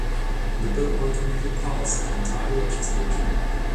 The bill ultimately passed the entire legislature.